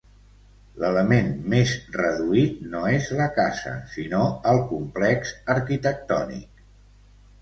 L'element més reduït no és la casa, sinó el complex arquitectònic.